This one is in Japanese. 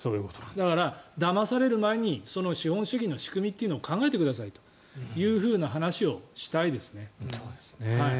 だから、だまされる前に資本主義の仕組みを考えてくださいという話をしたいですね。